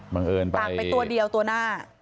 ตากไปตัวเดียวตัวหน้า